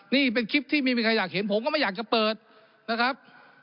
นี่เป็นคลิปที่ไม่มีใครอยากเห็นผมก็ไม่อยากจะเปิดนะครับ